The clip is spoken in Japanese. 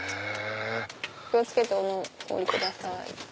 気を付けてお降りください。